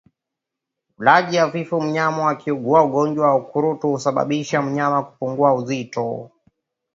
Ulaji hafifu mnyama akiugua ugonjwa wa ukurutu husababisa mnyama kupungua uzito